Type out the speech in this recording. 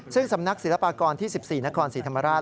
ซึ่งสำนักศิลปากรที่๑๔นครศรีธรรมราช